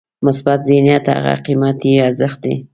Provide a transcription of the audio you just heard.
مثبت ذهنیت هغه قیمتي ارزښت دی.